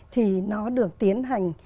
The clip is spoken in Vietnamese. thì nó được tiến hành